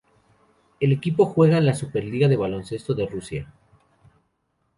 El equipo juega en la Superliga de baloncesto de Rusia.